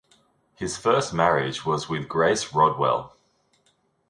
His first marriage was with Grace Rodwell.